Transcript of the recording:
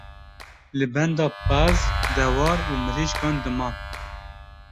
li benda pez, dewar û mirîşkan diman.